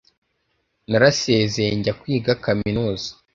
Narasezeye njya kwiga kaminuza